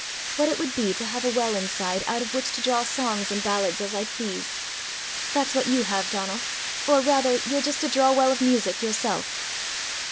What it would be to have a well inside, out of which to draw songs and ballads as I pleased! That's what you have, Donal or, rather, you're just a draw well of music yourself."